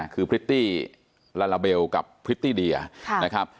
คือพริตตี้ลาลาเบลกับพริตตี้เดียนะครับ